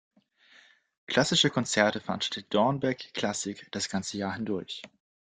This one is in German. Klassische Konzerte veranstaltet „Dornbirn Klassik“ das ganze Jahr hindurch.